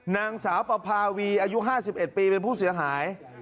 นางสาวปภาวีอายุ๕๑ปีเป็นผู้เสียหาย